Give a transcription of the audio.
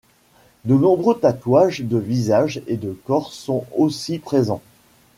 De nombreux tatouages de visage et de corps sont aussi présents.